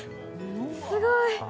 すごい。